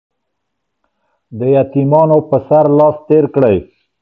د يتيمانو په سر لاس تېر کړئ.